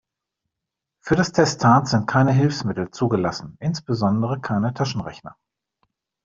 Für das Testat sind keine Hilfsmittel zugelassen, insbesondere keine Taschenrechner.